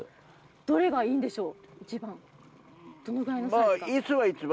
どれがいいんでしょう、一番。